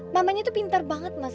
mamanya itu pintar banget mas